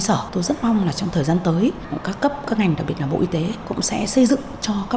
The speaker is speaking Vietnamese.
sở tôi rất mong là trong thời gian tới các cấp các ngành đặc biệt là bộ y tế cũng sẽ xây dựng cho các